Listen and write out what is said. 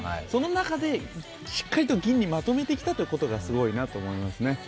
その中でしっかりと銀にまとめてきたということがすごいと思いますね。